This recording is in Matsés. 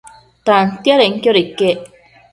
Tantiadenquio iquec